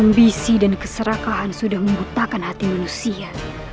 ambisi dan keserakahan sudah membutakan hati manusia